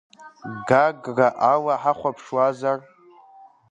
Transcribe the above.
Гаг-ра ала ҳахәаԥшуазар?